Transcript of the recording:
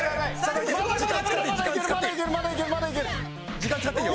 時間使っていいよ。